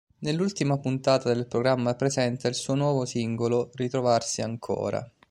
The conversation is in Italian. Nell'ultima puntata del programma presenta il suo nuovo singolo "Ritrovarsi ancora".